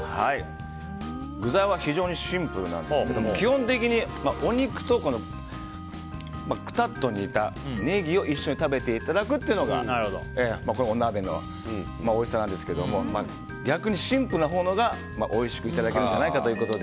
具材は非常にシンプルなんですが基本的に、お肉とくたっと煮たネギを一緒に食べていただくのがお鍋のおいしさなんですけど逆に、シンプルなほうがおいしくいただけるんじゃないかということで。